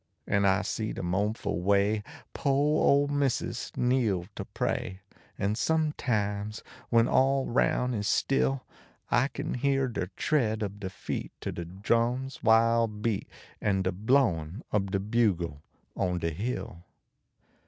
Kn I see de moanful way po ole missus kneel lo Kn sometimes when all a roun is still, I kin hear de tread ob feet to de drum s wild beat KM de blowhf ob de bu le on de hill.